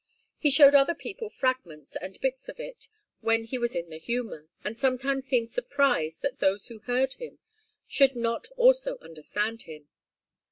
He showed other people fragments and bits of it, when he was in the humour, and sometimes seemed surprised that those who heard him should not also understand him.